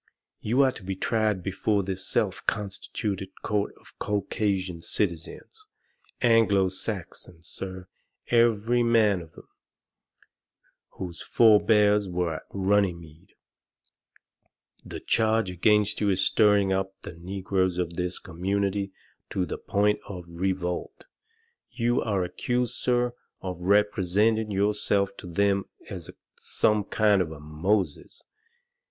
"You are to be tried before this self constituted court of Caucasian citizens Anglo Saxons, sir, every man of them, whose forbears were at Runnymede! The charge against you is stirring up the negroes of this community to the point of revolt. You are accused, sir, of representing yourself to them as some kind of a Moses.